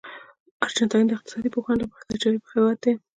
ارجنټاین د اقتصاد پوهانو لپاره د عجایبو هېواد دی.